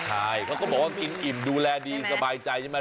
ใช่เขาก็บอกว่ากินอิ่มดูแลดีสบายใจใช่ไหม